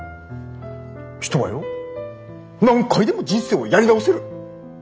人はよ何回でも人生をやり直せる。